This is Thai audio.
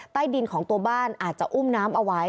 ใต้ดินของตัวบ้านอาจจะอุ้มน้ำเอาไว้